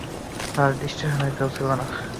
Sir, স্টেশনে আর কেউ ছিল না।